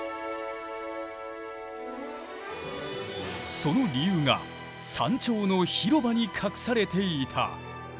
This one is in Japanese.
その理由が山頂の広場に隠されていた。